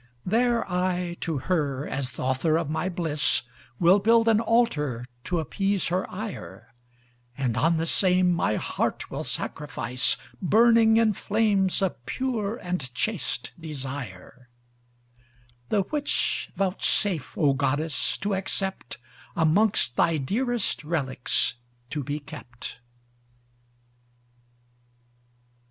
There I to her as th'author of my bliss Will build an altar to appease her ire: And on the same my heart will sacrifice, Burning in flames of pure and chaste desire: The which vouchsafe O godess to accept Amongst thy dearest relics to be kept.